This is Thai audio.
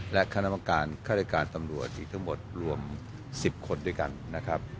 และคณะกรรมการความรู้รศาตตำรวจทั้งหมดรวมสิบคนโดยกัน